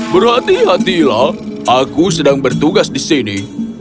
berhati hatilah aku sedang bertugas di sini